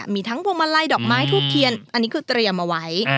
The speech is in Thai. มีทั้งพวงมาลัยดอกไม้ทูบเทียนอันนี้คือเตรียมเอาไว้